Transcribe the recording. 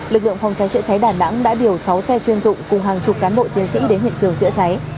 lực lượng phòng cháy chữa cháy đà nẵng đã điều sáu xe chuyên dụng cùng hàng chục cán bộ chiến sĩ đến hiện trường chữa cháy